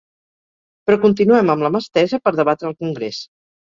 Però continuem amb la mà estesa per debatre al congrés.